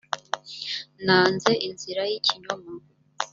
nanze inzira y’ ikinyoma.